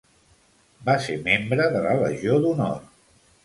Va ser membre de la legió d'honor.